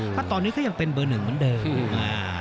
เพราะตอนนี้ก็ยังเป็นเบอร์หนึ่งเหมือนเดิม